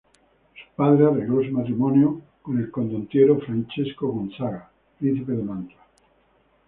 Su padre arregló su matrimonio con el condotiero Francisco I Gonzaga, príncipe de Mantua.